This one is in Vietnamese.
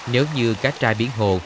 nếu như cá tra biển hồ